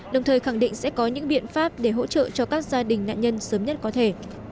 đồng thời khẳng định sẽ có những biện pháp để hỗ trợ cho các gia đình nạn nhân sớm nhất có thể